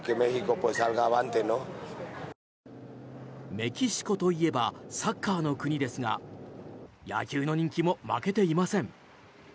メキシコといえばサッカーの国ですが野球の人気も負けていません。